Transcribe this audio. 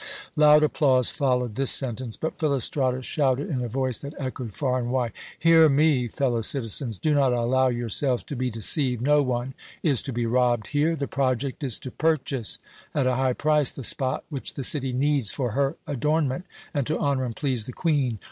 Loud applause followed this sentence, but Philostratus shouted in a voice that echoed far and wide: "Hear me, fellow citizens; do not allow your selves to be deceived! No one is to be robbed here. The project is to purchase, at a high price, the spot which the city needs for her adornment, and to honour and please the Queen.